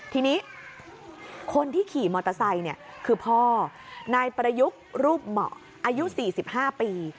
ทีนี้คนที่ขี่มอเตอร์ไซค์คือพ่อนายประยุกต์รูปเหมาะอายุ๔๕ปี